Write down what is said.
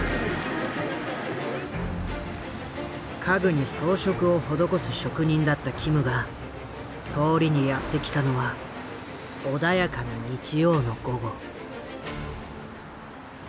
家具に装飾を施す職人だったキムが通りにやって来たのは穏やかな日曜の午後。